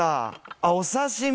あっお刺身！